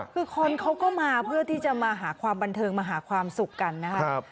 คือคนเขาก็มาเพื่อที่จะมาหาความบันเทิงมาหาความสุขกันนะครับ